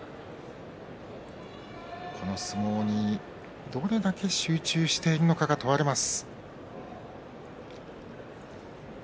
この相撲に、どれだけ集中しているのかが問われます。